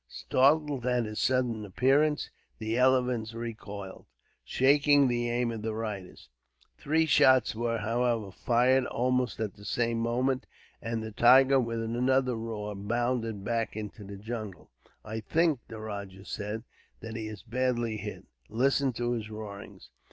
Startled at his sudden appearance, the elephants recoiled, shaking the aim of their riders. Three shots were, however, fired almost at the same moment; and the tiger, with another roar, bounded back into the jungle. "I think," the rajah said, "that he is badly hit. Listen to his roarings."